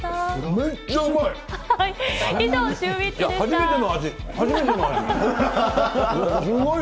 めっちゃうまい！